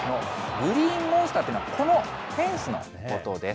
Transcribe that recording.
グリーンモンスターというのは、このフェンスのことです。